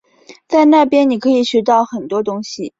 在那边你可以学很多东西